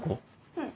うん。